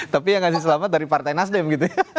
tapi yang kasih selamat dari partai nasdem gitu ya